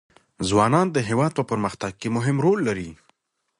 ځوانان د هېواد په پرمختګ کې مهم رول لري.